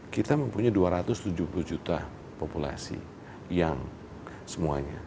kita mempunyai dua ratus tujuh puluh juta populasi yang semuanya